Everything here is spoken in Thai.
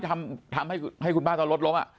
ที่ทำให้คุณบ้านตอนรถลงอ่ะ